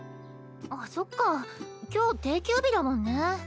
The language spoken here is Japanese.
あっそっか今日定休日だもんね。